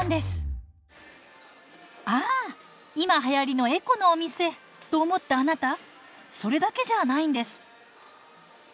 ああ今はやりのエコのお店と思ったあなたそれだけじゃないんです。